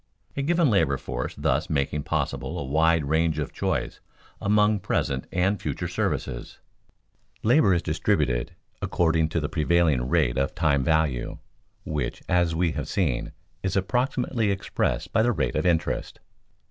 A given labor force thus making possible a wide range of choice among present and future services, labor is distributed according to the prevailing rate of time value, which, as we have seen, is approximately expressed by the rate of interest.